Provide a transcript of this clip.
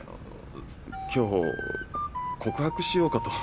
今日告白しようかと。